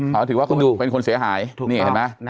ตัวเองถือว่าเป็นคนเสียหายถูกต้อง